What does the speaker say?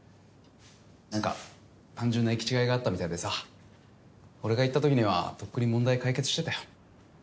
何か単純な行き違いがあったみたいでさ俺が行った時にはとっくに問題解決してたよ。